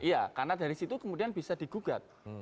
iya karena dari situ kemudian bisa digugat